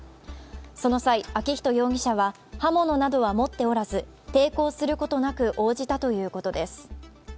その際、昭仁容疑者は刃物などは持っておらず、抵抗することなく応じたということです。